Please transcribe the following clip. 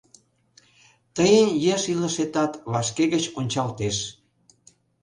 Тыйын еш илышетат вашке гыч ончалтеш.